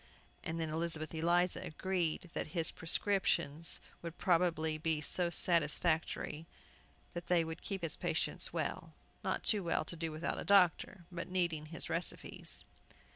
And then Elizabeth Eliza agreed that his prescriptions would probably be so satisfactory that they would keep his patients well, not too well to do without a doctor, but needing his recipes.